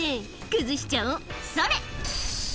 崩しちゃお、それ。